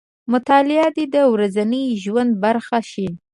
مطالعه دې د ورځني ژوند برخه شي.